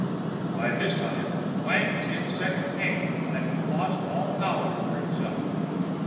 By this time Wang was in such pain that he lost all power over himself.